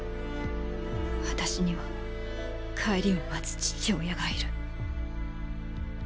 私には帰りを待つ父親がいる。